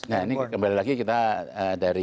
nah ini kembali lagi kita dari